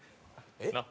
えっ？